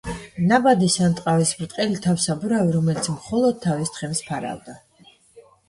ნაბდის ან ტყავის ბრტყელი თავსაბურავი, რომელიც მხოლოდ თავის თხემს ფარავდა.